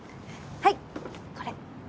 はいこれ。